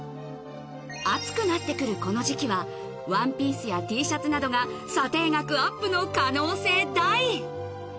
暑くなって来るこの時期はワンピースやＴシャツなどの可能性大！